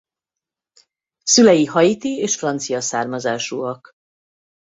Szülei haiti és francia származásúak.